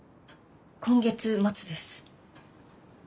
今月末です。